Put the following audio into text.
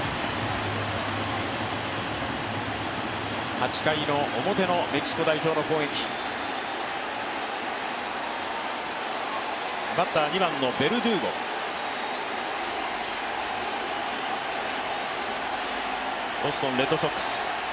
８回表のメキシコ代表の攻撃ベルドゥーゴ、ボストン・レッドソックス。